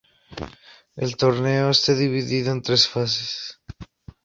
El torneo está dividido en tres fases.